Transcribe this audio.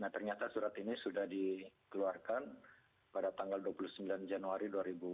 ternyata surat ini sudah dikeluarkan pada tanggal dua puluh sembilan januari dua ribu dua puluh